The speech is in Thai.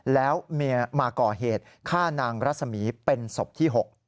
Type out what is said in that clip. แล้วเมียมาก่อเหตุฆ่านางรัศมีเป็นศพที่๖